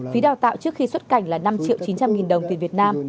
phí đào tạo trước khi xuất cảnh là năm chín trăm linh đồng tiền việt nam